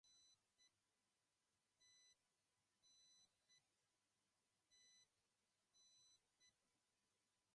Entre sus actividades, la Asociación organiza conferencias anuales, encuentros y talleres educativos.